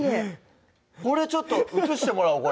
これちょっと写してもらおう